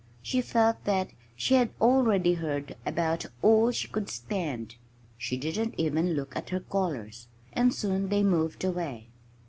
She felt that she had already heard about all she could stand. She didn't even look at her callers. And soon they moved away.